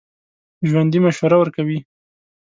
ژوندي مشوره ورکوي